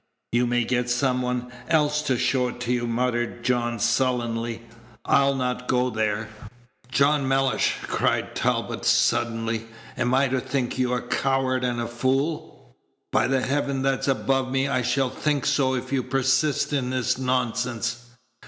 "You may get some one else to show it you," muttered John, sullenly; "I'll not go there!" "John Mellish," cried Talbot, suddenly, "am I to think you a coward and a fool? By the Heaven that's above me, I shall think so if you persist in this nonsense.